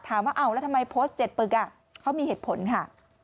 ถามว่าเอาแล้วทำไมโพสต์๗ปึกเขามีเหตุผลค่ะ